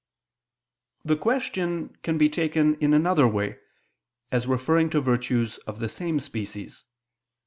The question can be taken in another way, as referring to virtues of the same species.